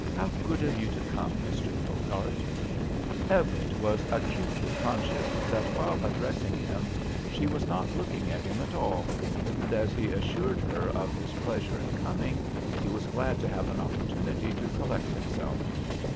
How good of you to come, Mr. Hilgarde." Everett was acutely conscious that while addressing him she was not looking at him at all, and, as he assured her of his pleasure in coming, he was glad to have an opportunity to collect himself.